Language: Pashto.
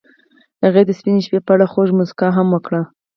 هغې د سپین شپه په اړه خوږه موسکا هم وکړه.